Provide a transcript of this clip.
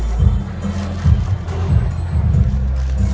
สโลแมคริปราบาล